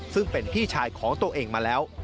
ซึ่งเป็นพี่ชายของตัวเองมาแล้ว